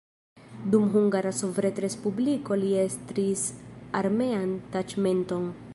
Dum Hungara Sovetrespubliko li estris armean taĉmenton.